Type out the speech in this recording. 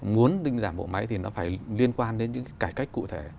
muốn tinh giản bộ máy thì nó phải liên quan đến những cái cách cụ thể